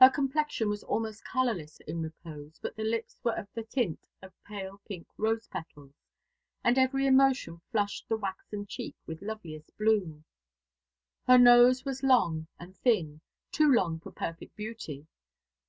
Her complexion was almost colourless in repose, but the lips were of the tint of pale pink rose petals, and every emotion flushed the waxen cheek with loveliest bloom. Her nose was long and thin, too long for perfect beauty.